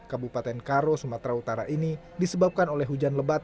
kabupaten karo sumatera utara ini disebabkan oleh hujan lebat